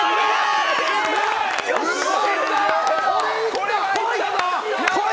これはいったぞ！